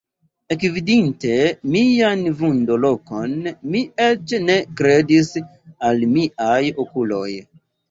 Ekvidinte mian vundo-lokon mi eĉ ne kredis al miaj okuloj.